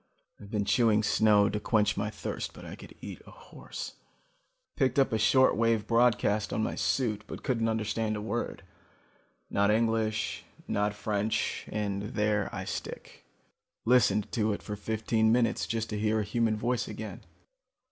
I've been chewing snow to quench my thirst but I could eat a horse. I picked up a short wave broadcast on my suit but couldn't understand a word. Not English, not French, and there I stick. Listened to it for fifteen minutes just to hear a human voice again.